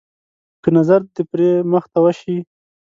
که نظر د پري مخ ته وشي.